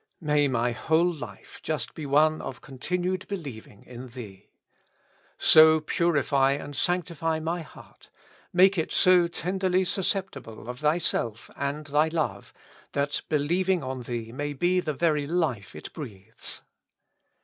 May my whole life just be one of continued believing in Thee. So purify and sanctify my heart, make it so tenderly susceptible of Thyself and Thy love, that believing on Thee may be the very life it breathes.